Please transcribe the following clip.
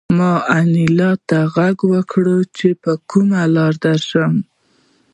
ما انیلا ته غږ وکړ چې په کومه لاره درشم